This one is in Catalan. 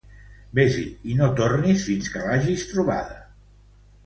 Ves-hi i no tornis fins que l'hagis trobada